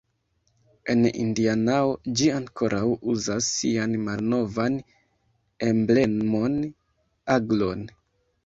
En Indianao ĝi ankoraŭ uzas sian malnovan emblemon, aglon.